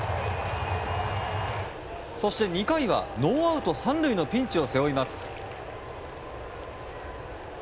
そして２回は、ノーアウト３塁のピンチを背負います。